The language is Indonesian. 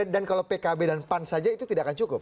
dan kalau pkb dan pan saja itu tidak akan cukup